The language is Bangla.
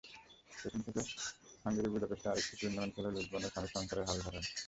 সেখান থেকে হাঙ্গেরির বুদাপেস্টে আরেকটি টুর্নামেন্টে খেলে লিসবনে স্বামীর সংসারের হাল ধরেন।